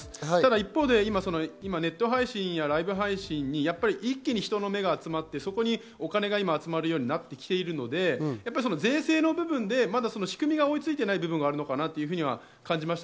一方でネット配信やライブ配信に一気に人の目が集まって、お金が集まるようになってきているので、税制の部分で仕組みが追いついていない部分があるのかなと感じます。